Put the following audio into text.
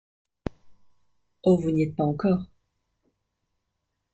Oh ! vous n’y êtes pas encore !